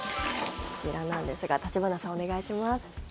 こちらなんですが橘さん、お願いします。